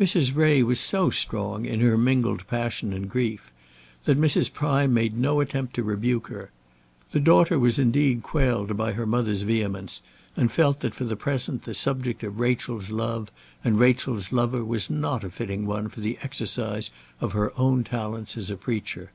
Mrs. Ray was so strong in her mingled passion and grief, that Mrs. Prime made no attempt to rebuke her. The daughter was indeed quelled by her mother's vehemence, and felt that for the present the subject of Rachel's love and Rachel's lover was not a fitting one for the exercise of her own talents as a preacher.